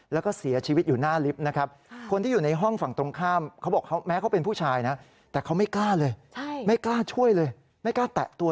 แล้วก็เสียชีวิตอยู่หน้าลิฟท์นะครับ